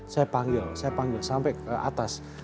saya panggil sampai ke atas